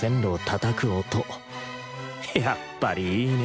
やっぱりいいね